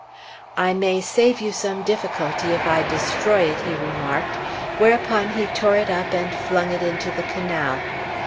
"I may save you some difficulty if I destroy it," he remarked, whereupon he tore it up and flung it into the canal.